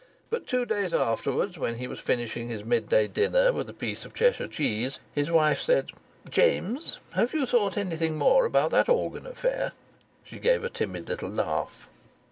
But two days afterwards, when he was finishing his midday dinner with a piece of Cheshire cheese, his wife said: "James, have you thought anything more about that organ affair?" She gave a timid little laugh.